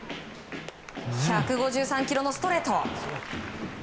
１５３キロのストレート。